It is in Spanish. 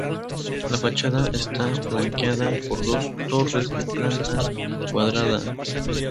La fachada está flanqueada por dos torres de planta cuadrada.